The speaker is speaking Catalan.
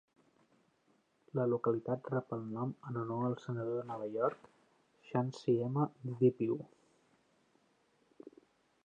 La localitat rep el nom en honor al senador de Nova York, Chauncy M. Depew.